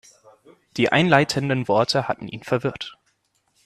Die einleitenden Worte hatten ihn verwirrt.